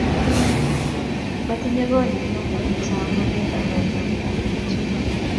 Matinyo konnyu akitau ngalek alaktugul